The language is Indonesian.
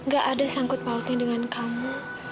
gak ada sangkut pautnya dengan kamu